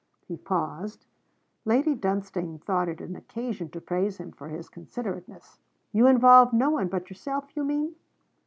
He paused. Lady Dunstane thought it an occasion to praise him for his considerateness. 'You involve no one but yourself, you mean?'